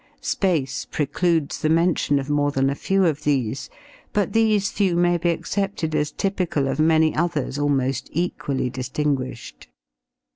Space precludes the mention of more than a few of these, but these few may be accepted as typical of many others almost equally distinguished.